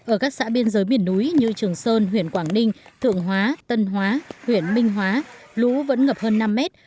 ở các xã biên giới miền núi như trường sơn huyện quảng ninh thượng hóa tân hóa huyện minh hóa lũ vẫn ngập hơn năm mét